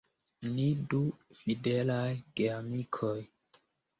Ni du fidelaj geamikoj.